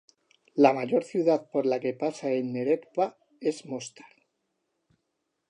La mayor ciudad por la que pasa el Neretva es Mostar.